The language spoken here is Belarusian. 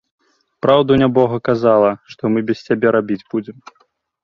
Праўду нябога казала, што мы без цябе рабіць будзем.